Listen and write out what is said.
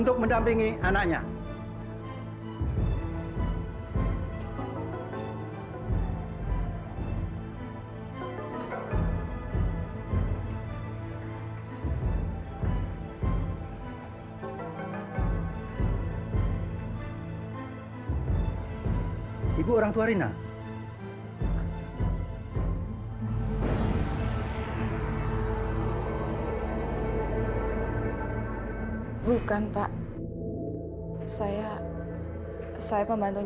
tapi ibu yang tetap semangat ketelah menang